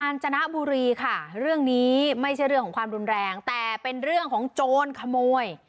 ญจนบุรีค่ะเรื่องนี้ไม่ใช่เรื่องของความรุนแรงแต่เป็นเรื่องของโจรขโมย